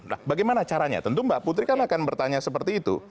nah bagaimana caranya tentu mbak putri kan akan bertanya seperti itu